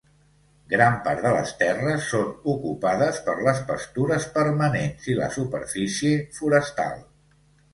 Gran part de les terres són ocupades per les pastures permanents i la superfície forestal.